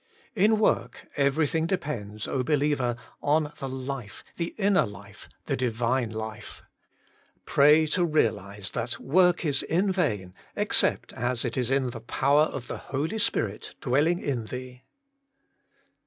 3. In work everything depends. O believer, on the life, the inner life, the Divine life. Pray to realise that work is vain except as it is in ' the power of the Holy Spirit ' dwelling in thee.